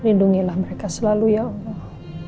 lindungilah mereka selalu ya allah